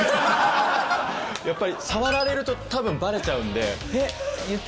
やっぱり触られると多分バレちゃうんで。